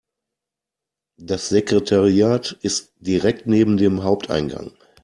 Das Sekretariat ist direkt neben dem Haupteingang.